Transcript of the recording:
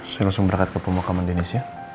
saya langsung berangkat ke pemakaman denis ya